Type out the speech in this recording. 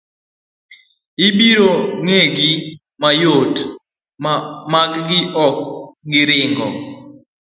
Ibiro ng'egi mayot ma makgi ma ok giringo.